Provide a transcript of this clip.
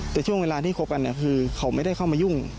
แต่ช่วงเวลาที่คบกันคือเขาไม่ได้เข้ามายุ่ง